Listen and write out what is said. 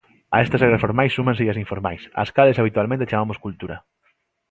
A estas regras formais súmanselle as informais, ás cales habitualmente chamamos cultura.